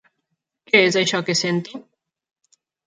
Què és això que sento?